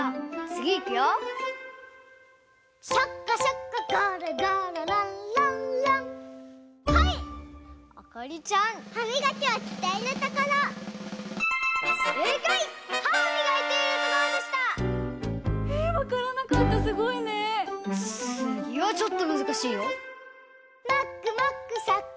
つぎはちょっとむずかしいよ。